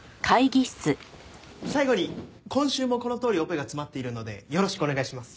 最後に今週もこのとおりオペが詰まっているのでよろしくお願いします。